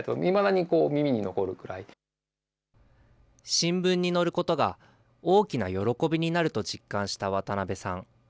新聞に載ることが大きな喜びになると実感した渡辺さん。